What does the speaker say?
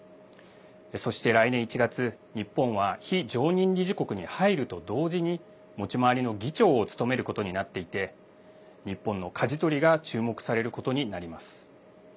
そして来年１月、日本は非常任理事国に入ると同時に持ち回りの議長を務めることになっていて日本のかじ取りが注目されることになります。